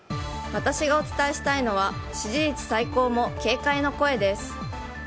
私がお伝えしたいのは支持率最高も警戒の声です。